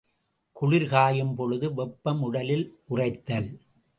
குளிர்காயும்பொழுது வெப்பம் உடலில் உறைத்தல்.